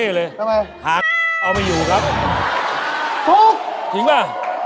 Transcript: ฟู๊กจริงป่ะ